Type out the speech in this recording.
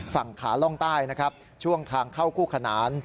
ฝั่งขาล่องใต้นะครับช่วงทางเข้าคู่ขนาน